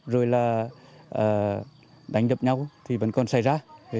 rồi là đánh đập nhau thì vẫn còn xảy ra